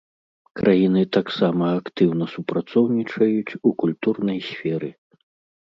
Краіны таксама актыўна супрацоўнічаюць у культурнай сферы.